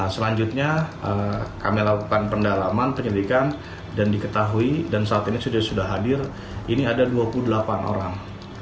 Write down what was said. selanjutnya kami lakukan pendalaman penyelidikan dan diketahui dan saat ini sudah hadir ini ada dua puluh delapan orang